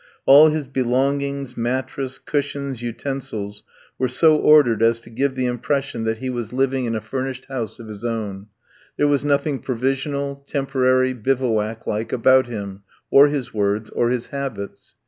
All his belongings, mattress, cushions, utensils, were so ordered as to give the impression that he was living in a furnished house of his own; there was nothing provisional, temporary, bivouac like, about him, or his words, or his habits.